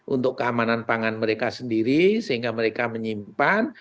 untuk keamanan pangan mereka sendiri sehingga mereka menyimpan